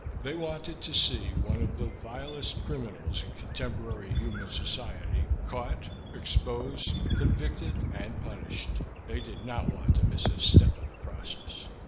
They wanted to see one of the vilest criminals in contemporary human society caught, exposed, convicted and punished; they did not want to miss a step of the process.